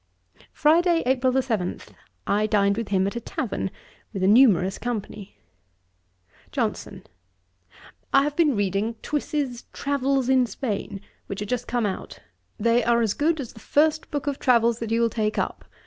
Friday, April 7, I dined with him at a Tavern, with a numerous company. JOHNSON. 'I have been reading Twiss's Travels in Spain, which are just come out. They are as good as the first book of travels that you will take up.